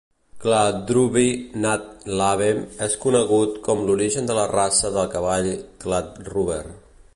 Kladruby nad Labem és conegut com l'origen de la raça de cavall Kladruber.